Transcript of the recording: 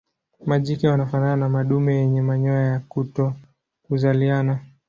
Majike wanafanana na madume yenye manyoya ya kutokuzaliana.